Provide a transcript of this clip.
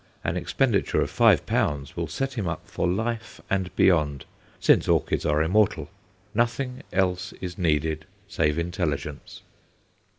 An expenditure of five pounds will set him up for life and beyond since orchids are immortal. Nothing else is needed save intelligence.